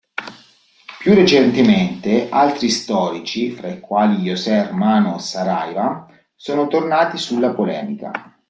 Più recentemente altri storici, fra i quali José Hermano Saraiva, sono tornati sulla polemica.